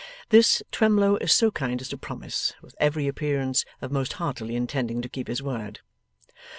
This, Twemlow is so kind as to promise, with every appearance of most heartily intending to keep his word.